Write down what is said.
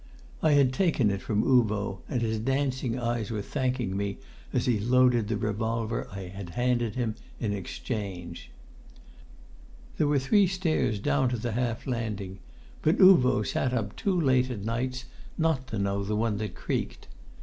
I had taken it from Uvo, and his dancing eyes were thanking me as he loaded the revolver I had handed him in exchange. There were three stairs down to the half landing, but Uvo sat up too late at nights not to know the one that creaked.